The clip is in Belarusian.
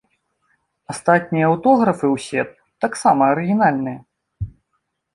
Астатнія аўтографы ўсе таксама арыгінальныя.